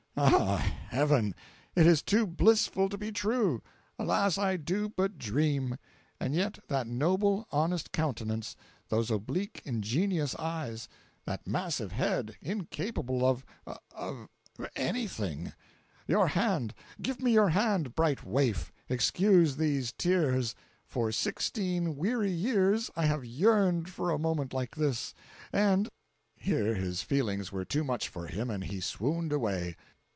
Ah, Heaven! it is too blissful to be true; alas, I do but dream. And yet that noble, honest countenance—those oblique, ingenuous eyes—that massive head, incapable of—of—anything; your hand; give me your hand, bright waif. Excuse these tears. For sixteen weary years I have yearned for a moment like this, and"— 478.jpg (67K) Here his feelings were too much for him, and he swooned away.